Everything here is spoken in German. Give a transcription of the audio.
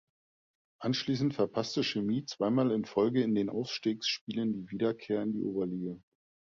Anschließend verpasste Chemie zweimal in Folge in den Aufstiegsspielen die Wiederkehr in die Oberliga.